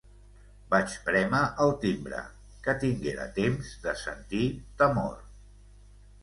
Vaig prémer el timbre, que tinguera temps de sentir temor...